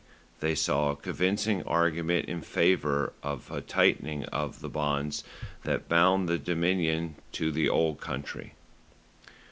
they saw a convincing argument in favour of a tightening of the bonds that bound the Dominion to the Old Country.